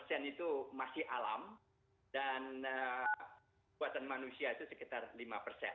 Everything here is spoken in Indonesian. nah sekarang kalau kita lihat ya budaya diri ya di dalamnya kan ada sejarah tadi disampaikan